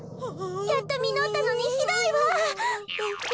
やっとみのったのにひどいわ。